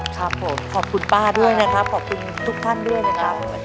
ครับผมขอบคุณป้าด้วยนะครับขอบคุณทุกท่านด้วยนะครับ